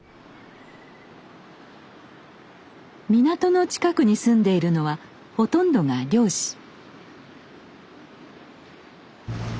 港の近くに住んでいるのはほとんどが漁師。